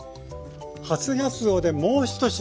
初がつおでもう１品。